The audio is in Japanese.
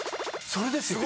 それですよ！